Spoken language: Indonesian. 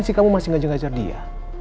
sih kamu masih ngajar ngajar dia